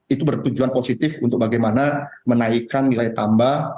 itu bertujuan positif untuk bagaimana menaikkan nilai tambah